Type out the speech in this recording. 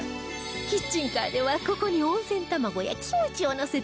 キッチンカーではここに温泉卵やキムチをのせて販売